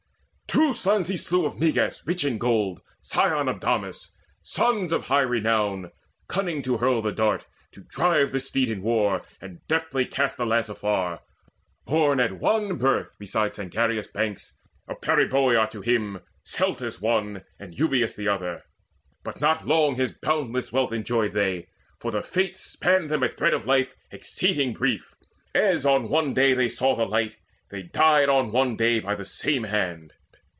Two sons he slew of Meges rich in gold, Scion of Dymas sons of high renown, Cunning to hurl the dart, to drive the steed In war, and deftly cast the lance afar, Born at one birth beside Sangarius' banks Of Periboea to him, Celtus one, And Eubius the other. But not long His boundless wealth enjoyed they, for the Fates Span them a thread of life exceeding brief. As on one day they saw the light, they died On one day by the same hand.